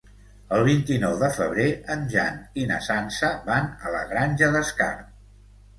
El vint-i-nou de febrer en Jan i na Sança van a la Granja d'Escarp.